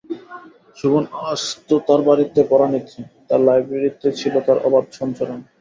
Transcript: শোভন আসত তাঁর বাড়িতে পড়া নিতে, তাঁর লাইব্রেরিতে ছিল তার অবাধ সঞ্চরণ।